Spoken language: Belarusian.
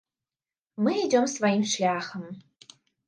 Мы ідзём сваім шляхам.